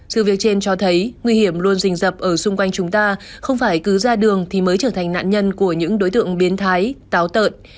sự việc trên cho thấy nguy hiểm luôn rình rập ở xung quanh chúng ta không phải cứ ra đường thì mới trở thành nạn nhân của những đối tượng biến thái táo tợn